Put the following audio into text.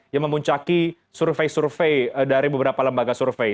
yang memuncaki survei survei dari beberapa lembaga survei